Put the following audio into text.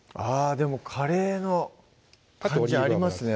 でもカレーの感じありますね